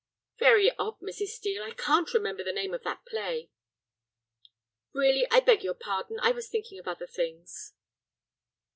"Very odd, Mrs. Steel, I can't remember the name of that play." "Really, I beg your pardon, I was thinking of other things."